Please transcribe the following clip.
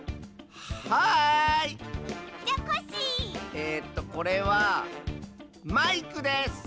えとこれはマイクです！